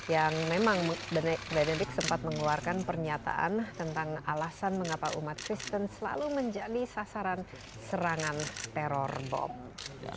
yang memang benefit sempat mengeluarkan pernyataan tentang alasan mengapa umat kristen selalu menjadi sasaran serangan teror bom